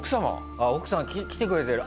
ああ奥様来てくれてる。